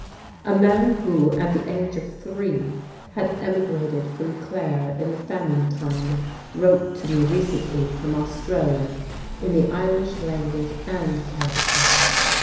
A man who, at the age of three, had emigrated from Clare in the famine time, wrote to me recently from Australia in the Irish language and character.